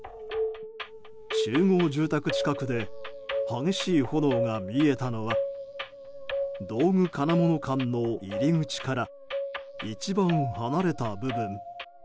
集合住宅近くで激しい炎が見えたのは道具金物館の入り口から一番離れた部分。